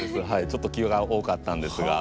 ちょっと気が多かったんですが。